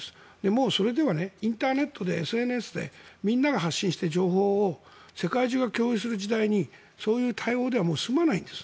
もうそれではインターネットで、ＳＮＳでみんなが発信して、情報を世界中が共有する時代にそういう対応ではもう済まないんです。